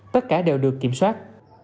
tất cả đều được kiểm soát